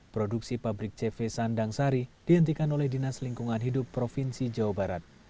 produksi pabrik cv sandang sari dihentikan oleh dinas lingkungan hidup provinsi jawa barat